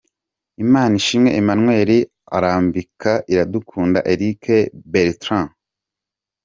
Imanishimwe Emmanuel arambika Iradukunda Eric Bertrand.